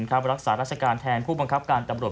รักษาราชการแทนผู้บังคับการตำรวจ